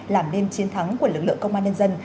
làm nên chiến thắng của lực lượng công an nhân dân